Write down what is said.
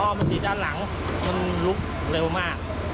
พอมันฉีดด้านหลังมันลุกเร็วมาก